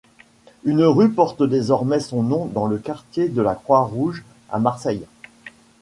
Une rue porte désormais son nom dans le quartier de la Croix-Rouge à Marseille.